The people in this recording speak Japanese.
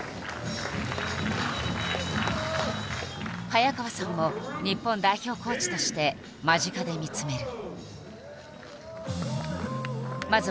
早川さんも日本代表コーチとして間近で見つめる。